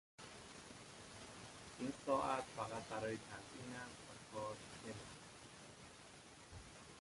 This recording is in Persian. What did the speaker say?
این ساعت فقط برای تزیین است و کار نمیکند.